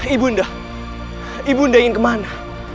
ibu nda ibu nda ingin kemana